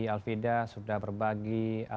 alfida sudah berbagi